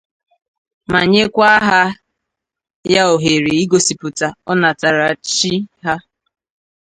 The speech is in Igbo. ma nyekwa ha ya ohèrè igosipụta ọnatarachi ha